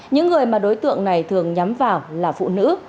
những người mà đối tượng này thường nhắm vào là phụ nữ